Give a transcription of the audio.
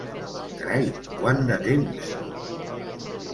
Carai, quant de temps!